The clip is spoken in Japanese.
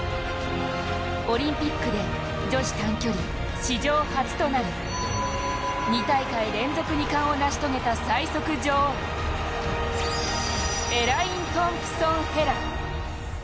オリンピックで女子短距離、史上初となる２大会連続２冠を成し遂げた最速女王、エライン・トンプソン・ヘラ。